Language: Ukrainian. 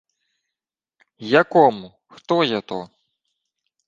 — Якому? Хто є то?